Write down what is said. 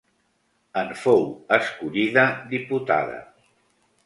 En fou escollida diputada.